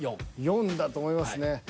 ４だと思いますね。